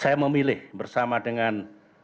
saya memilih bersama dengan